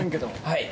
はい。